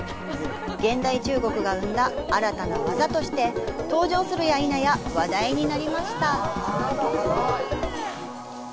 現代中国が生んだ新たな技として登場するやいなや話題になりました！